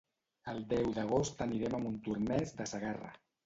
El deu d'agost anirem a Montornès de Segarra.